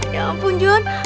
ya ampun jon